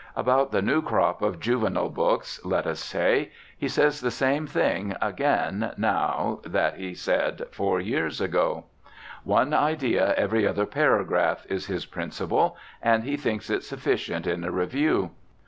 About the new crop of juvenile books, let us say, he says the same thing again now that he said four years ago. "One idea every other paragraph," is his principle, and he thinks it sufficient in a review.